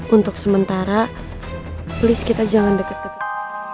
untuk sementara list kita jangan deket deket